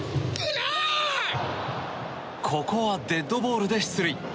ここは、デッドボールで出塁。